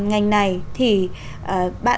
ngành này thì bạn